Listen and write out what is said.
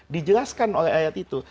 dijelaskan oleh ayat itu